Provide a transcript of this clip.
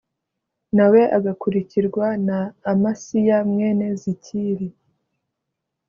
na we agakurikirwa na amasiya mwene zikiri